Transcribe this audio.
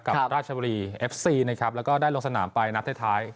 ราชบุรีเอฟซีนะครับแล้วก็ได้ลงสนามไปนัดท้าย